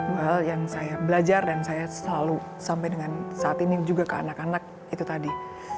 dua hal yang saya belajar dan saya selalu sampai dengan saat ini juga ke anak anak itu tadi